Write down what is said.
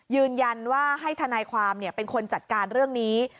ยืนยันว่าให้ทนายความเป็นคนจัดการเรื่องนี้